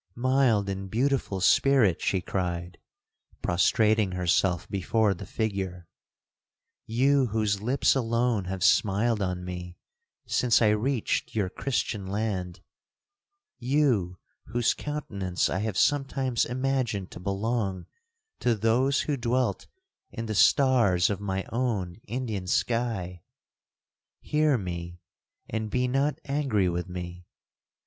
'Mild and beautiful Spirit!' she cried, prostrating herself before the figure—'you whose lips alone have smiled on me since I reached your Christian land,—you whose countenance I have sometimes imagined to belong to those who dwelt in the stars of my own Indian sky,—hear me, and be not angry with me!